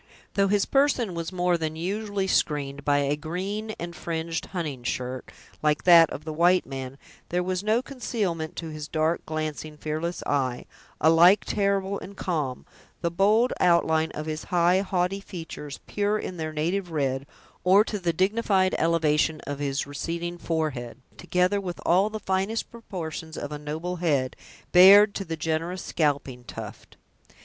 Though his person was more than usually screened by a green and fringed hunting shirt, like that of the white man, there was no concealment to his dark, glancing, fearless eye, alike terrible and calm; the bold outline of his high, haughty features, pure in their native red; or to the dignified elevation of his receding forehead, together with all the finest proportions of a noble head, bared to the generous scalping tuft.